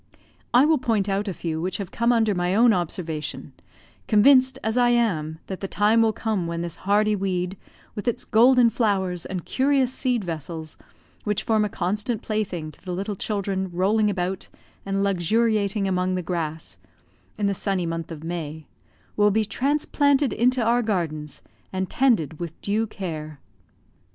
I will point out a few which have come under my own observation, convinced as I am that the time will come when this hardy weed, with its golden flowers and curious seed vessels, which form a constant plaything to the little children rolling about and luxuriating among the grass, in the sunny month of May, will be transplanted into our gardens, and tended with due care.